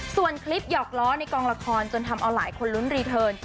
ส่วนคลิปหยอกล้อในกองละครจนทำเอาหลายคนลุ้นรีเทิร์น